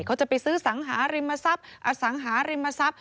เขาจะไปซื้อสังหาริมทรัพย์อสังหาริมทรัพย์